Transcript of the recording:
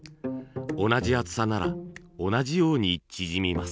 同じ厚さなら同じように縮みます。